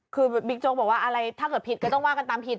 คือบิ๊กโจ๊กบอกว่าอะไรถ้าเกิดผิดก็ต้องว่ากันตามผิด